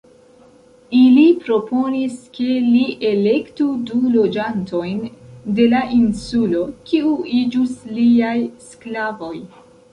Ili proponis ke li elektu du loĝantojn de la insulo, kiu iĝus liaj sklavoj.